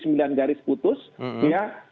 kita tidak saling indonesia tidak mengakui itu